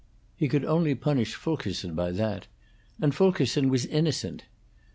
He could only punish Fulkerson by that, and Fulkerson was innocent.